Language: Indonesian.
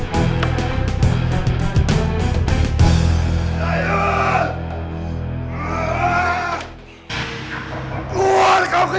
dari mana kau kejar